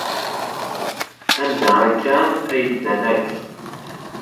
Anda akka ay ddan akk?